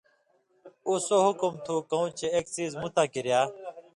اُو سو حکم تُھو کؤں چے ایک څیزمُتاں کِریا،